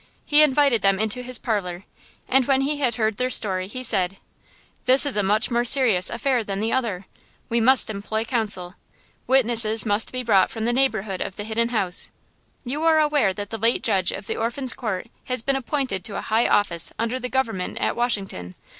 He invited them into his parlor, and when he had heard their story, he said: "This is a much more serious affair than the other. We must employ counsel. Witnesses must be brought from the neighborhood of the Hidden House. You are aware that the late judge of the Orphans' Court has been appointed to a high office under the government at Washington.